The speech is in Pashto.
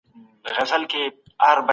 پوهنتونونه د نویو نظریاتو مرکزونه دي.